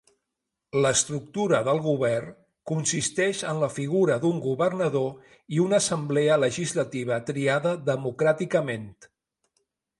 L'estructura del govern consisteix en la figura d'un Governador i una assemblea legislativa, triada democràticament.